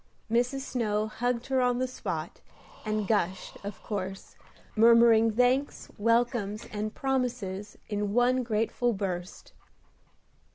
Mrs. Snow hugged her on the spot, and gushed, of course, murmuring thanks, welcomes, and promises in one grateful burst.